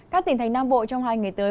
các tỉnh thành nam bộ trong hai ngày tới